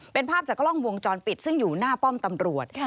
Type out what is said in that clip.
เป็นภาพจากกล้องวงจรปิดซึ่งอยู่หน้าป้อมตำรวจ